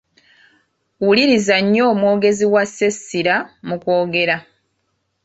Wuliriza nnyo omwogezi w’assa essira mu kwogera.